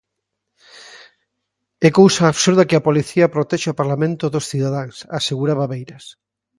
"É cousa absurda que a policía protexa o Parlamento dos cidadáns", aseguraba Beiras.